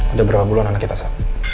udah berapa bulan anak kita sehat